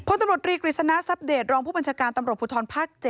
พตำรวจรีกฤทธิ์สนาสัปเดตรองผู้บัญชาการตำรวจผู้ท้อนภาค๗